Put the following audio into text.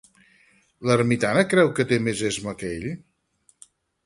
L'ermitana creu que té més esma que ell?